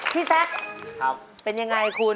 พี่แซ็คเป็นอย่างไรคุณ